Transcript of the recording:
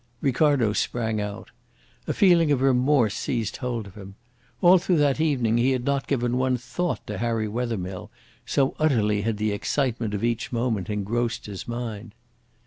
Ricardo sprang out. A feeling of remorse seized hold of him. All through that evening he had not given one thought to Harry Wethermill, so utterly had the excitement of each moment engrossed his mind.